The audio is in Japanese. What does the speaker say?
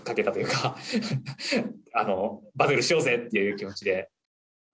っていう気持ちで。